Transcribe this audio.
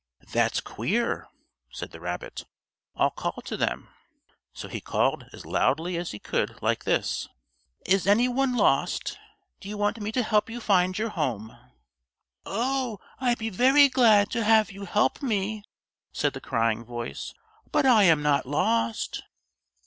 "That's queer," said the rabbit, "I'll call to them." So he called as loudly as he could like this: "Is any one lost? Do you want me to help you find your home?" "Oh, I'd be very glad to have you help me," said the crying voice, "but I am not lost."